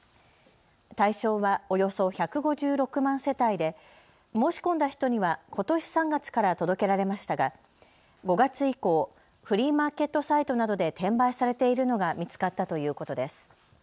対象はおよそ１５６万世帯で申し込んだ人にはことし３月から届けられましたが５月以降、フリーマーケットサイトなどで転売されているのが見つかったということです。